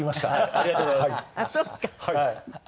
ありがとうございます。